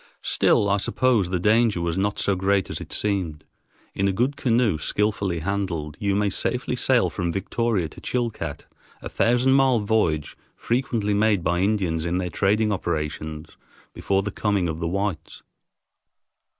Still, I suppose, the danger was not so great as it seemed. In a good canoe, skillfully handled, you may safely sail from Victoria to Chilcat, a thousand mile voyage frequently made by Indians in their trading operations before the coming of the whites.